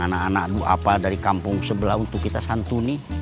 anak anak ⁇ wapa dari kampung sebelah untuk kita santuni